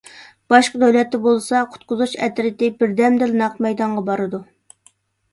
باشقا دۆلەتتە بولسا قۇتقۇزۇش ئەترىتى بىردەمدىلا نەق مەيدانغا بارىدۇ.